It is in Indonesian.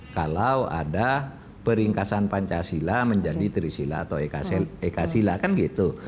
kalau ada peringkasan pancasila menjadi trisila atau ekasila kan gitu